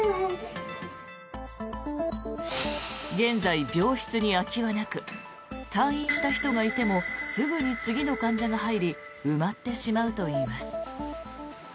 現在、病室に空きはなく退院した人がいてもすぐに次の患者が入り埋まってしまうといいます。